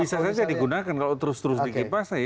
bisa saja digunakan kalau terus terus dikipasi